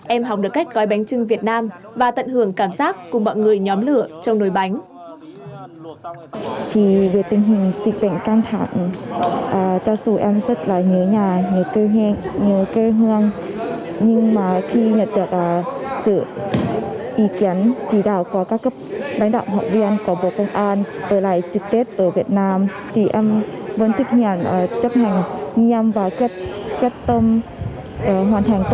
em học được cách gói bánh trưng việt nam và tận hưởng cảm giác cùng mọi người nhóm lửa trong nồi bánh